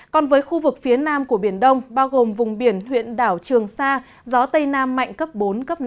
còn với khu vực phía nam của biển đông bao gồm vùng biển huyện đảo trường sa gió tây nam mạnh cấp bốn cấp năm